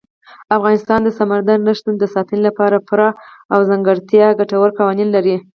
افغانستان د سمندر نه شتون د ساتنې لپاره پوره او ځانګړي ګټور قوانین لري.